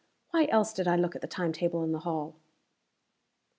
Why else did I look at the time table in the hall?"